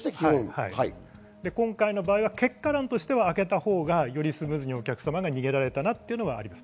今回の場合は結果論として開けたほうがよりスムーズにお客様が逃げられたというのがあります。